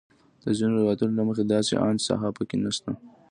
د ځینو روایتونو له مخې داسې انچ ساحه په کې نه شته.